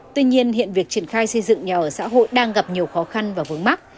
tuy nhiên hiện việc triển khai xây dựng nhà ở xã hội đang gặp nhiều khó khăn và vướng mắt